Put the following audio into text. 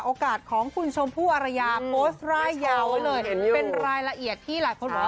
โอกาสของคุณชมผู้อรรยาโปสต์รายยาวเลยเป็นรายละเอียดที่หลายคนอ่ะ